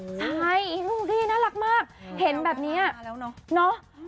ใช่นี่น่ารักมากเห็นแบบเนี้ยมาแล้วเนอะเนอะ